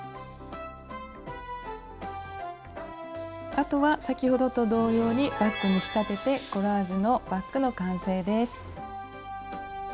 あとは先ほどと同様にバッグに仕立ててコラージュのバッグの完成です。